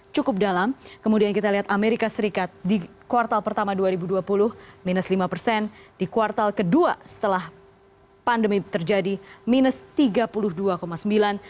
cukup dalam kemudian kita lihat amerika serikat di kuartal pertama dua ribu dua puluh minus lima persen di kuartal kedua setelah pandemi terjadi minus tiga puluh dua sembilan persen